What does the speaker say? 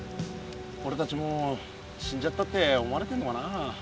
おれたちもう死んじゃったって思われてんのかなあ。